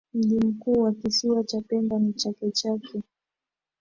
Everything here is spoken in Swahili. Mji mkuu wa kisiwa Cha pemba ni Chake Chake